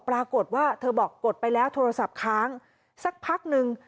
ปรากฏว่าเธอบอกกดไปแล้วโทรศัพท์ค้างสักพักนึง